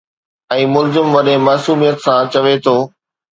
۽ ملزم وڏي معصوميت سان چوي ٿو.